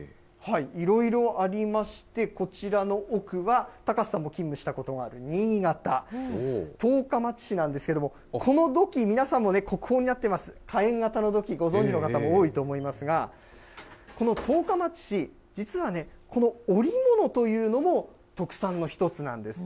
いろいろありまして、こちらの奥は、高瀬さんも勤務したことがある新潟・十日町市なんですけども、この土器、皆さんも、国宝になってます、かえん型の土器、ご存じの方も多いと思いますが、この十日町市、実はね、この織物というのも特産の１つなんです。